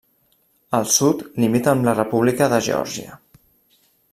Al sud, limita amb la República de Geòrgia.